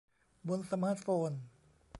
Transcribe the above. บนสมาร์ตโฟน